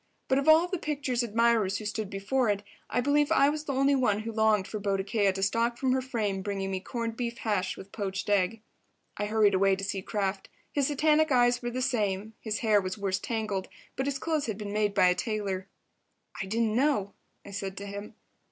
But of all the picture's admirers who stood before it, I believe I was the only one who longed for Boadicea to stalk from her frame, bringing me corned beef hash with poached egg. I hurried away to see Kraft. His satanic eyes were the same, his hair was worse tangled, but his clothes had been made by a tailor. "I didn't know," I said to him.